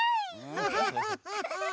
ウフフフフ。